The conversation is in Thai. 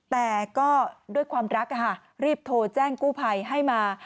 แต่ก็ด้วยความรักรีบโทรแจ้งกู้ภัยให้มา